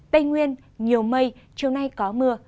tây nguyên nhiều mây chiều nay có mưa